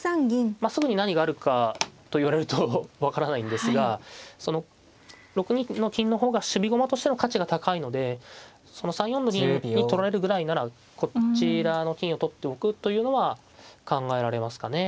まあすぐに何があるかと言われると分からないんですがその６二の金の方が守備駒としての価値が高いので３四の銀に取られるぐらいならこちらの金を取っておくというのは考えられますかね。